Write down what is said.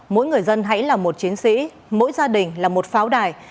mỗi người dân hãy là một chiến sĩ mỗi gia đình là một pháo đài